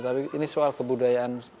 tapi ini soal kebudayaan